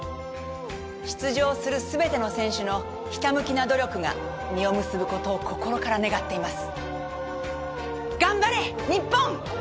出場する全ての選手のひたむきな努力が実を結ぶ事を心から願っています。